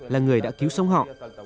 là người đã cứu sống họ